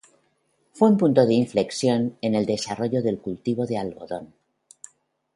Fue un punto de inflexión en desarrollo del cultivo del algodón.